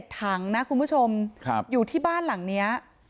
ถังนะคุณผู้ชมอยู่ที่บ้านหลังนี้